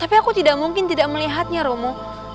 tapi aku tidak mungkin tidak melihatnya romo